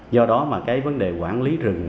do đó mà cái vấn đề quản lý rừng